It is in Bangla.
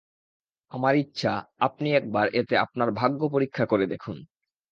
আমার ইচ্ছা, আপনি একবার এতে আপনার ভাগ্যপরীক্ষা করে দেখুন।